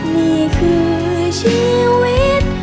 นี่คือชีวิต